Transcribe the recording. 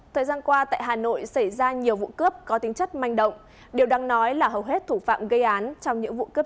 thời gian qua tại hà nội xảy ra nhiều vụ cướp